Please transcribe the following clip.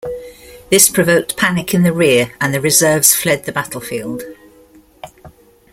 This provoked panic in the rear and the reserves fled the battlefield.